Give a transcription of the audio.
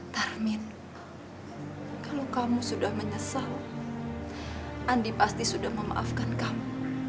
tarmin kalau kamu sudah menyesal andi pasti sudah memaafkan kamu